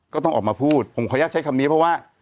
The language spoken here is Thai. ก็ต้องออกมาพูดผมขออนุญาตใช้คำนี้เพราะว่า